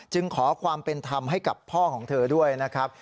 ขอความเป็นธรรมให้กับพ่อของเธอด้วยนะครับ